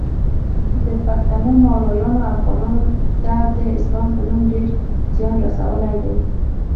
د پښتنو مولایانو افغانانو ته د اسلام په نوم ډیر ځیان رسولی دی